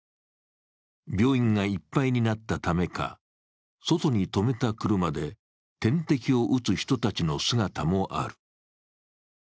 病院がいっぱいになったためか外に止めた車で点滴を打つ人たちの姿もある。